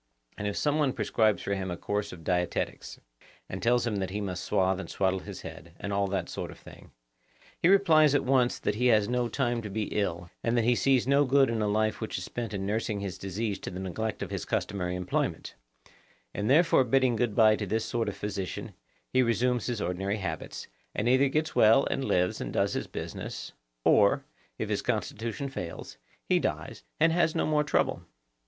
And if some one prescribes for him a course of dietetics, and tells him that he must swathe and swaddle his head, and all that sort of thing, he replies at once that he has no time to be ill, and that he sees no good in a life which is spent in nursing his disease to the neglect of his customary employment; and therefore bidding good bye to this sort of physician, he resumes his ordinary habits, and either gets well and lives and does his business, or, if his constitution fails, he dies and has no more trouble.